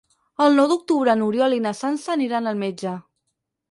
El nou d'octubre n'Oriol i na Sança aniran al metge.